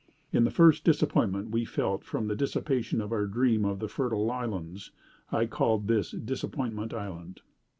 In the first disappointment we felt from the dissipation of our dream of the fertile islands, I called this Disappointment Island.